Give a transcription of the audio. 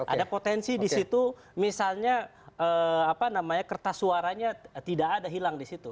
ada potensi di situ misalnya kertas suaranya tidak ada hilang di situ